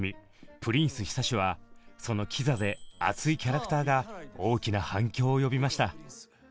プリンス久志はそのキザで熱いキャラクターが大きな反響を呼びました。